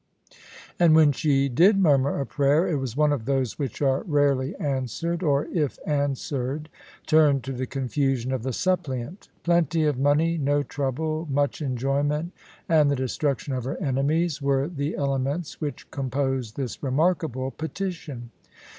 And when she did murmur a prayer, it was one of those which are rarely answered, or, if answered, turn to the confusion of the suppliant. Plenty of money, no trouble, much enjoyment, and the destruction of her enemies, were the elements which composed this remarkable petition.